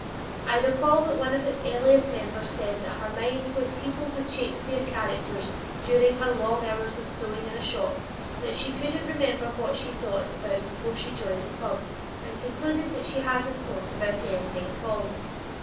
I recall that one of its earliest members said that her mind was peopled with Shakespeare characters during her long hours of sewing in a shop, that she couldn't remember what she thought about before she joined the club, and concluded that she hadn't thought about anything at all.